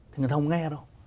thì người ta không nghe đâu